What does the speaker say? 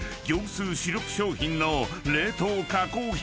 スー主力商品の冷凍加工品］